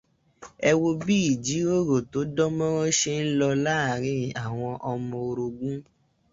Ẹ wo bí ìjíròrò tó dán mọ́rán ṣe ń lọ láàárin àwọn ọmọ orogún.